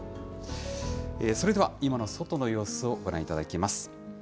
それでは、今の外の様子をご覧いただきます。